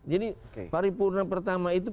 jadi paripurna pertama itu